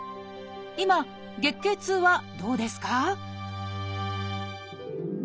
今月経痛はどうですか？